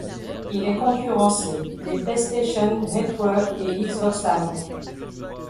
Il est concurrencé les PlayStation Network et Xbox Live.